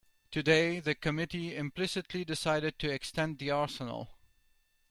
Today the committee implicitly decided to extend the arsenal.